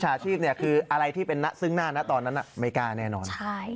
ฉาชีพคืออะไรที่เป็นซึ่งหน้านะตอนนั้นไม่กล้าแน่นอน